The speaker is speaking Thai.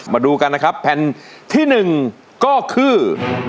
มาดูกันนะครับแผ่นที่๑ก็คือ